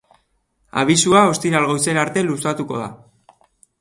Abisua ostiral goizera arte luzatuko da.